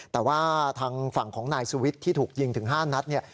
แต่ว่าทางฝั่งของนายสุวิทย์ที่ถูกยิงถึง๕นัดเนี่ย